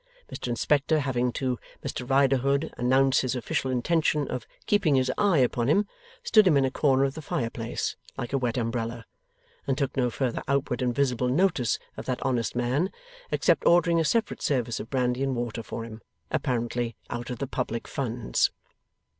Mr Inspector having to Mr Riderhood announced his official intention of 'keeping his eye upon him', stood him in a corner of the fireplace, like a wet umbrella, and took no further outward and visible notice of that honest man, except ordering a separate service of brandy and water for him: apparently out of the public funds.